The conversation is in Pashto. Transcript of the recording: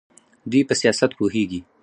دوی په سیاست پوهیږي.